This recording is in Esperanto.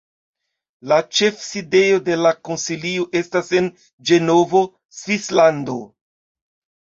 La ĉefsidejo de la Konsilio estas en Ĝenevo, Svislando.